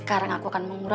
aku pengen jalan mencari